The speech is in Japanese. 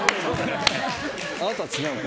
あなたは違うの？